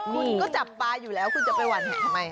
คุณก็จับปลาอยู่แล้วคุณจะไปหวั่นเห็ดทำไม